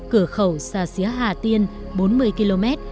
có nghĩa là hà tiên bốn mươi km